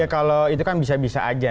ya kalau itu kan bisa bisa saja